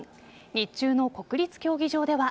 日中の国立競技場では。